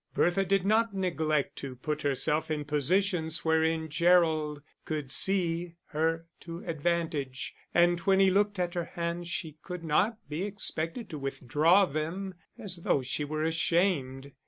Bertha did not neglect to put herself in positions wherein Gerald could see her to advantage; and when he looked at her hands she could not be expected to withdraw them as though she were ashamed.